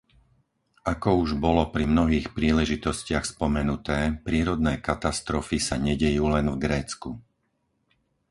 Ako už bolo pri mnohých príležitostiach spomenuté, prírodné katastrofy sa nedejú len v Grécku.